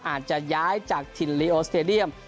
อาจจะย้ายจากถิ่นลีโอสเตดียม